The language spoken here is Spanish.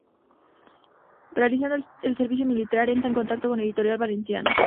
Realizando el servicio militar, entra en contacto con Editorial Valenciana.